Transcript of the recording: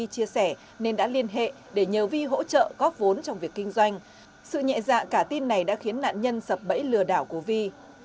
vi chia sẻ nên đã liên hệ để nhờ vi hỗ trợ góp vốn trong việc kinh doanh sự nhẹ dạ cả tin này đã khiến nạn nhân sập bẫy lừa đảo của vi